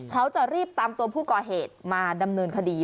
เขาจะรีบตามตัวผู้ก่อเหตุมาดำเนินคดี